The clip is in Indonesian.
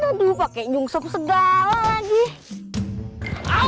aduh pake nyungsem segala lagi